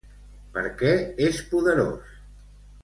Per què és poderós?